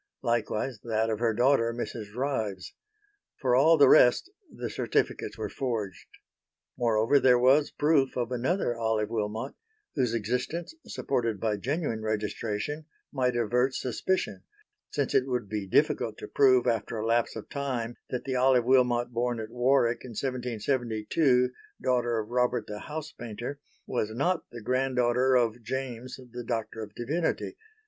Likewise that of her daughter Mrs. Ryves. For all the rest the certificates were forged. Moreover there was proof of another Olive Wilmot whose existence, supported by genuine registration, might avert suspicion; since it would be difficult to prove after a lapse of time that the Olive Wilmot born at Warwick in 1772 daughter of Robert (the house painter), was not the granddaughter of James (the Doctor of Divinity).